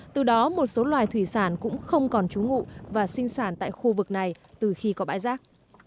từ đó một số loài thủy sản cũng không còn trú ngụ và sinh sản tại khu vực này từ khi có bãi rác